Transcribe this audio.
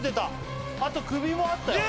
あと首もあったよ。